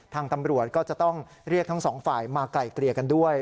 ทางตำรวจก็จะต้องเรียกทั้งสองฝ่ายมาไกลเกลี่ยกันด้วย